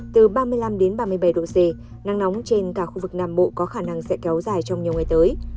từ ba mươi năm ba mươi bảy độ c nắng nóng trên cả khu vực nam bộ có khả năng sẽ kéo dài trong nhiều ngày tới